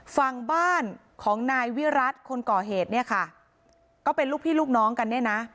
ฝั่งบ้านของนายวิรัติคนก่อเหตุเนี่ยค่ะก็เป็นลูกพี่ลูกน้องกันเนี่ยนะ